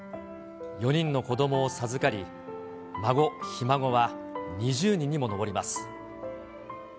４人の子どもを授かり、孫、ひ孫は２０人にも上ります。